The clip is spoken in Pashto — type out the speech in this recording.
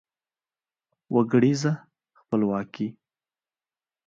وګړیزه خپلواکي